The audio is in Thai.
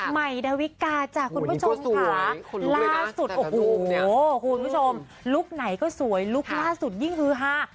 ใหม่ดาวิกาจ้ะคุณผู้ชมค่ะล่าสุดโอ้โหคุณผู้ชมลุคไหนก็สวยลุคล่าสุดยิ่งฮือฮา